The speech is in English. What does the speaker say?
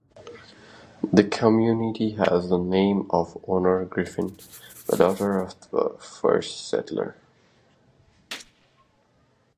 The community has the name of Honor Griffin, the daughter of a first settler.